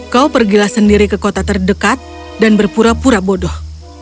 kau pergilah sendiri ke kota terdekat dan berpura pura bodoh